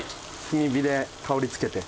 炭火で香りつけて。